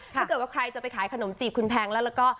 ถ้าเกิดว่าใครจะไปขายขนมจีบคุณแพงแล้วก็